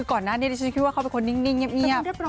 ก่อนหน้านี้ที่ฉันคิดว่าเขาเป็นคนนิ่งเงียบ